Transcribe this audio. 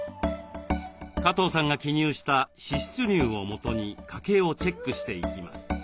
加藤さんが記入した支出入をもとに家計をチェックしていきます。